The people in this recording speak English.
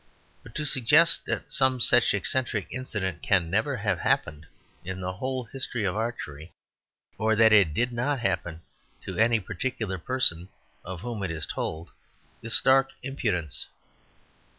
But to suggest that some such eccentric incident can never have happened in the whole history of archery, or that it did not happen to any particular person of whom it is told, is stark impudence.